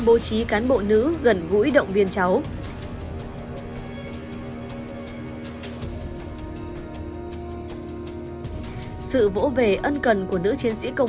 bố trí cán bộ nữ gần gũi động viên cháu sự vỗ về ân cần của nữ chiến sĩ công